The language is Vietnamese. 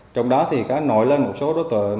trong đó thì có nổi lên một số đối tượng